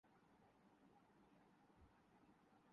بنگلہ دیش کا وقت